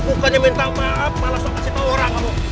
bukannya minta maaf malah suka kasih tau orang kamu